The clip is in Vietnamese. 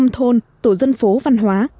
ba trăm tám mươi năm thôn tổ dân phố văn hóa